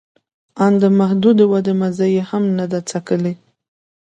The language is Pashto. آن د محدودې ودې مزه یې هم نه ده څکلې